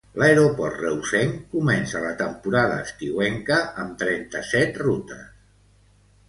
L'aeroport reusenc comença la temporada estiuenca amb trenta-set rutes.